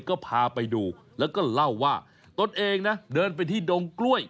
ก็พาไปดูแล้วก็เล่าว่าตนเองนะเดินไปที่ดงกล้วย